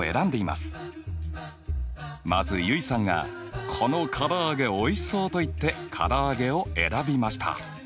まず結衣さんがこの唐揚げおいしそうと言って唐揚げを選びました。